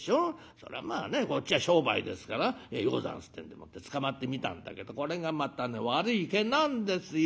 そらまあねこっちは商売ですから『ようござんす』ってんでもってつかまってみたんだけどこれがまた悪い毛なんですよ。